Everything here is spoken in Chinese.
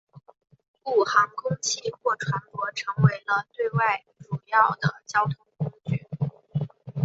故航空器或船舶成为了对外主要的交通工具。